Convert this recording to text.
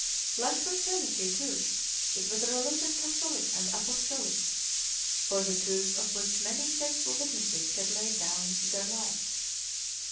Like Christianity, too, it was a religion catholic and apostolic, for the truth of which many faithful witnesses had laid down their lives.